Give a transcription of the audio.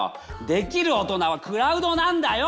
できる大人はクラウドなんだよ！